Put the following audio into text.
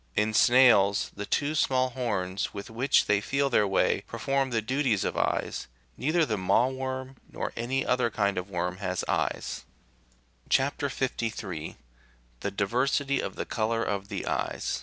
In snails,91 the two small horns with which they feel their way, perform the duties of eyes. Neither the maw worm93 nor any other kind of worm has eyes. CHAP. 53. — THE DIVERSITY OF THE COLOUR OF THE EYES.